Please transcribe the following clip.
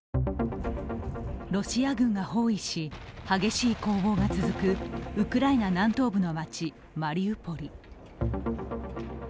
ロシア軍が包囲し、激しい攻防が続くウクライナ南東部の街マリウポリ。